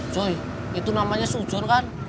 cuy itu namanya seujun kan